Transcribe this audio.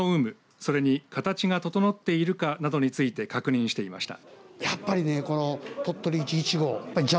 それに形が整っているかなどについて確認していました。